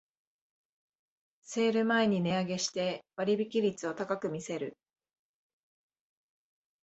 セール前に値上げして割引率を高く見せる